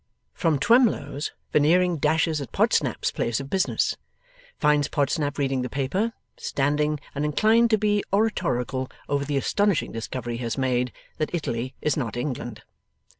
From Twemlow's, Veneering dashes at Podsnap's place of business. Finds Podsnap reading the paper, standing, and inclined to be oratorical over the astonishing discovery he has made, that Italy is not England.